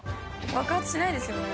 爆発しないですよね。